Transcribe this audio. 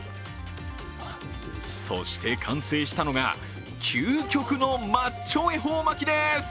そして、完成したのが究極のマッチョ恵方巻です。